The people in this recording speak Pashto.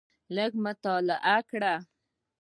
لږ مې مطالعه کړ.